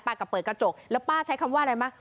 ป้าก็เปิดกระจกแล้วป้าใช้คำว่าอะไรมา